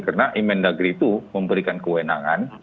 karena emen dagri itu memberikan kewenangan